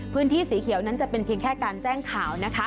พื้นที่สีเขียวนั้นจะเป็นเพียงแค่การแจ้งข่าวนะคะ